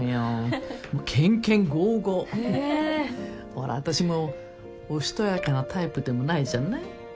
ほらあたしもおしとやかなタイプでもないじゃない？